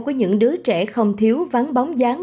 của những đứa trẻ không thiếu vắng bóng dáng